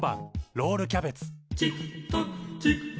ロールキャベツ。